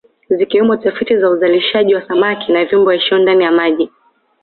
Zikiwemo tafiti za uzalishaji wa samaki na viumbe waishio ndani ya maji